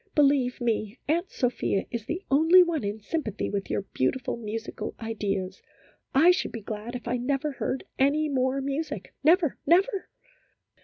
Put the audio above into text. Be lieve me, Aunt Sophia is the only one in sympathy with your beautiful musical ideas. I should be glad if I never heard any more music never never